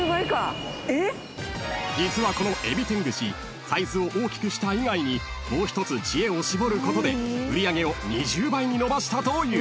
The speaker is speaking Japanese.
［実はこのえび天串サイズを大きくした以外にもう一つ知恵を絞ることで売り上げを２０倍に伸ばしたという］